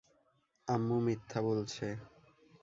আম্মু মিথ্যা বলছে!